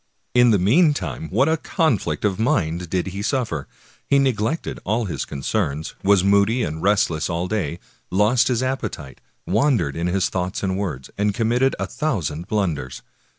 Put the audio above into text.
In the meantime, what a conflict of mind did he suffer! He neglected all his concerns, was 206 Washington Irving moody and restless all day, lost his appetite, wandered in his thoughts and words, and committed a thousand blun ders.